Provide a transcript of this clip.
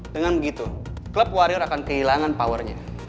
dengan begitu klub warrior akan kehilangan powernya